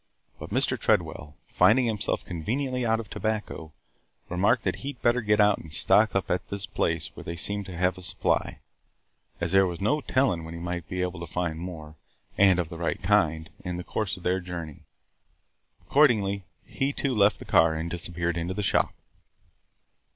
But Mr. Tredwell, finding himself conveniently out of tobacco, remarked that he 'd better get out and stock up at this place where they seemed to have a supply, as there was no telling when he might be able to find more, and of the right kind, in the course of their journey. Accordingly, he too left the car and disappeared into the shop.